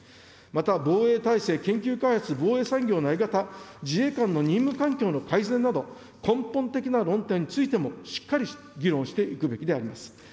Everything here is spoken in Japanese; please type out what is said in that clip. また防衛態勢、研究開発、防衛産業の在り方、自衛官の任務環境の改善など、根本的な論点についても、しっかり議論していくべきであります。